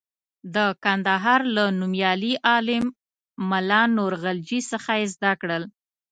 د کندهار له نومیالي عالم ملا نور غلجي څخه یې زده کړل.